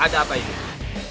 ada apa ini